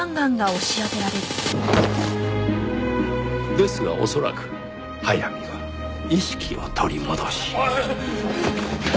ですが恐らく速水は意識を取り戻し。